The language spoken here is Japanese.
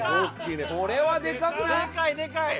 これはでかくない？